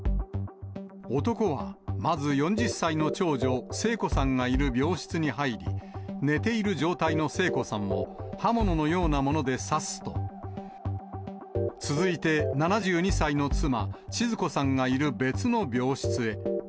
男はまず、４０歳の長女、聖子さんがいる病室に入り、寝ている状態の聖子さんを刃物のようなもので刺すと、続いて７２歳の妻、ちづ子さんがいる別の病室へ。